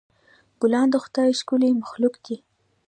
ګلان د خدای ښکلی مخلوق دی.